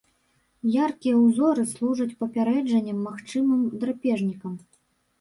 Яркія ўзоры служаць папярэджаннем магчымым драпежнікам.